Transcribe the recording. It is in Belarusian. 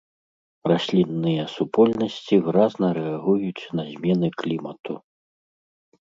Раслінныя супольнасці выразна рэагуюць на змены клімату.